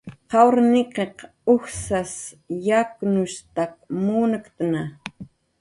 Qawr nik'iq ujsas yaknushtak munktna